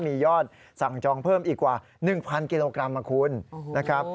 มียอดสั่งจองเพิ่มอีกกว่า๑๐๐กิโลกรัมนะคุณนะครับ